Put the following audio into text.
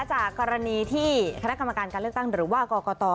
จากกรณีที่คณะกรรมการการเลือกตั้งหรือว่ากรกต